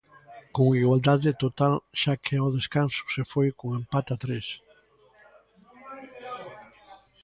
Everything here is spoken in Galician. Con igualdade total, xa que ao descanso se foi con empate a tres.